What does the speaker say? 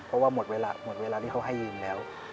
เพราะว่าหมดเวลาหมดเวลาที่เขาให้ยืมแล้ว